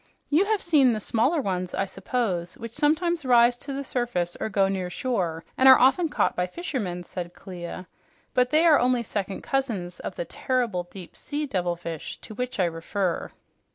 "You have seen the smaller ones, I suppose, which sometimes rise to the surface or go near the shore, and are often caught by fishermen," said Clia, "but they are only second cousins of the terrible deep sea devilfish to which I refer."